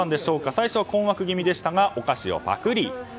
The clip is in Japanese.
最初は困惑気味でしたがお菓子を、ぱくり。